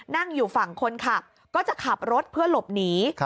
นั่งอยู่ฝั่งคนขับก็จะขับรถเพื่อหลบหนี